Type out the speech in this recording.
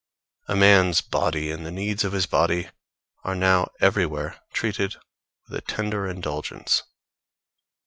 A man's body and the needs of his body are now everywhere treated with a tender indulgence.